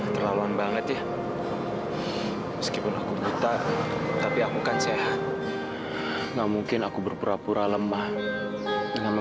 jamu saya satu kelas aja ibu saya masuk rumah sakit soalnya